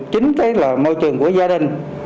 chính cái là môi trường của gia đình